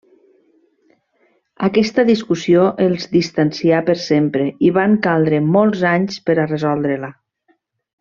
Aquesta discussió els distancià per sempre i van caldre molts anys per a resoldre-la.